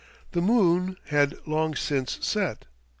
The moon had long since set.